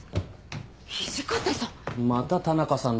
土方さん。